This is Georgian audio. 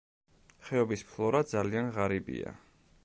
ხეობის ფლორა ძალიან ღარიბია.